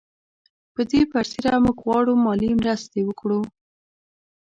پر دې برسېره موږ غواړو مالي مرستې وکړو.